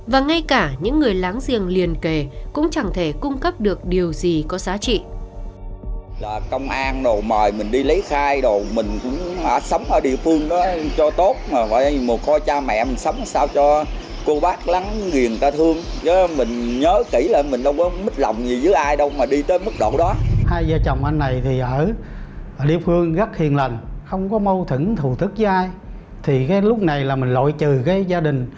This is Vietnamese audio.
và ngay cả những người láng giềng liền kề cũng chẳng thể cung cấp được điều gì có giá trị